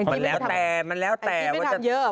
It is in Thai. มันแล้วแต่ว่าจะแองจี้ไม่ทำเยอะเหรอ